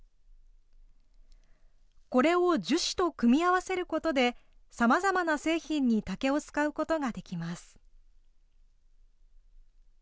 これを樹脂と組み合わせることで、さまざまな製品に竹を使うことができます。